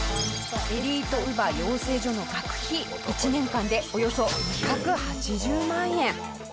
エリート乳母養成所の学費１年間でおよそ２８０万円。